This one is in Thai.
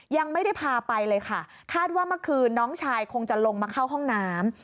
ยังไม่ได้พาไปเลยค่ะคาดว่าเมื่อคืนน้องชายคงจะลงมาเข้าห้องน้ำ